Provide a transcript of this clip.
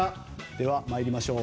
では、参りましょう。